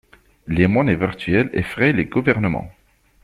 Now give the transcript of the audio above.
Les monnaies virtuelles effraient les gouvernements.